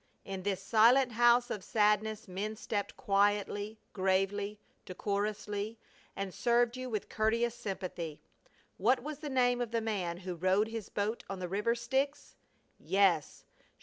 In this silent house of sadness men stepped quietly, gravely, decorously, and served you with courteous sympathy. What was the name of the man who rowed his boat on the River Styx? Yes!